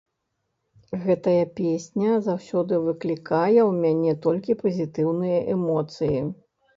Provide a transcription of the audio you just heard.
Гэтая песня заўсёды выклікае ў мяне толькі пазітыўныя эмоцыі.